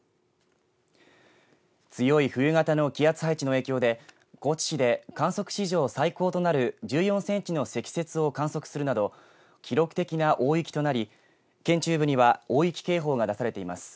強い冬型の気圧配置の影響で高知市で、観測史上最高となる１４センチの積雪を観測するなど記録的な大雪となり県中部には大雪警報が出されています。